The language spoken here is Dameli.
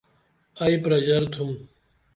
ائی پرژرتُھم